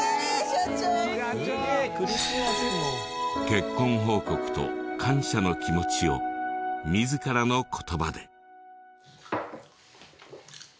結婚報告と感謝の気持ちを自らの言葉で。